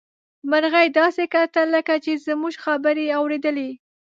مرغۍ داسې کتل لکه چې زموږ خبرې يې اوريدلې.